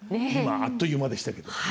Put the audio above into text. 今あっという間でしたけど。